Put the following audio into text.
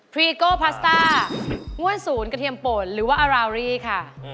ฟีโก้พาสต้าง่วนศูนย์กระเทียมป่นหรือว่าอารารี่ค่ะ